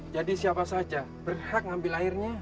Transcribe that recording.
jadi siapa saja berhak mengambil airnya